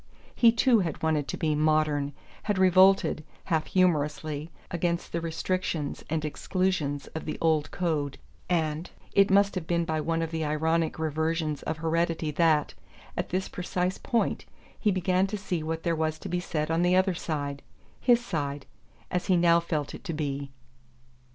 He too had wanted to be "modern," had revolted, half humorously, against the restrictions and exclusions of the old code; and it must have been by one of the ironic reversions of heredity that, at this precise point, he began to see what there was to be said on the other side his side, as he now felt it to be.